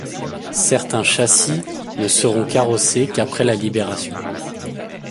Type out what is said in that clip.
Certains châssis ne seront carrossés qu'après la Libération.